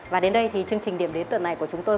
và đến đây thì chương trình điểm đến tuần này của chúng tôi